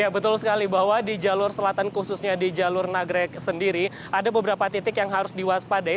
betul sekali bahwa di jalur selatan khususnya di jalur nagrek sendiri ada beberapa titik yang harus diwaspadai